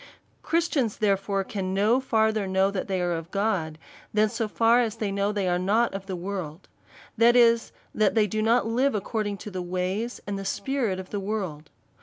Christians, therefore, can no further know that they are of God, than so far as they know that they are not of the world ; that is, that they do not live according to the ways and spirit of the world.